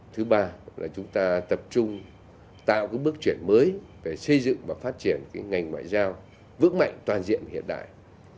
thứ ba là chúng ta tập trung tạo cái bước chuyển mới về xây dựng và phát triển cái ngành ngoại giao vững mạnh toàn diện hiện đại